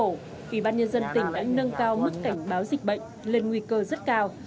ủy ban nhân dân tỉnh đã nâng cao mức cảnh báo dịch bệnh lên nguy cơ rất cao